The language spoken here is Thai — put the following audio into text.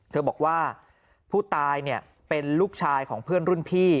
เธอบอกว่าผู้ตายเป็นลูกชายของเพื่อนรุ่นพี่